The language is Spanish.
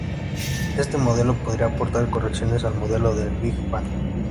Este modelo podría aportar correcciones al modelo del Big Bang.